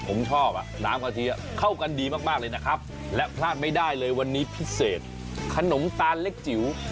ผมชอบอ่ะน้ำกะทิเข้ากันดีมากเลยนะครับและพลาดไม่ได้เลยวันนี้พิเศษขนมตาลเล็กจิ๋ว